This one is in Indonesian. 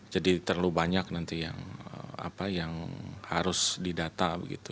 jadi terlalu banyak nanti yang harus didata